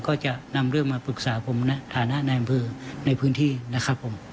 ก็จะนำเรื่องมาปรึกษาผมในฐานะนายอำเภอในพื้นที่นะครับผม